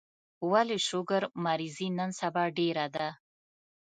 ولي شوګر مريضي نن سبا ډيره ده